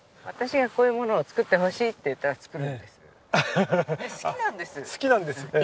私がこういうものを作ってほしいって言ったら作るんです。